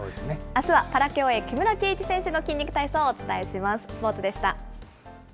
あすはパラ競泳、木村敬一選手の筋肉体操をお伝えします。